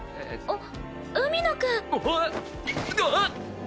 あっ！